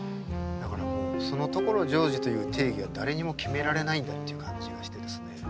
だからもうその所ジョージという定義は誰にも決められないんだっていう感じがしてですね